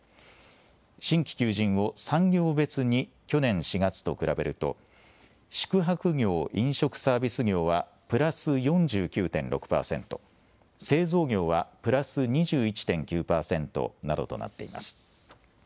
新規求人を産業別に去年４月と比べると宿泊業・飲食サービス業はプラス４９．６％、製造業はプラス２１．９％などとなっています。